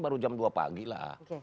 baru jam dua pagi lah